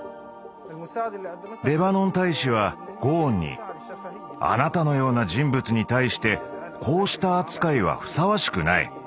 レバノン大使はゴーンに「あなたのような人物に対してこうした扱いはふさわしくない。